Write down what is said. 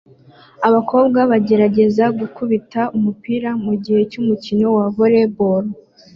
Abakobwa bagerageza gukubita umupira mugihe cy'umukino wa volley ball